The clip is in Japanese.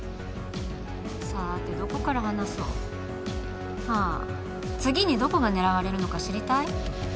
さてどこから話そうああ次にどこが狙われるのか知りたい？